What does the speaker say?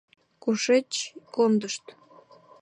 — Кушеч кондышт?